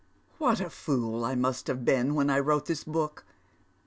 '' What a fool I must have been when I wrote this book